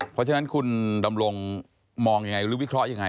เพราะฉะนั้นคุณดำรงมองยังไงหรือวิเคราะห์ยังไง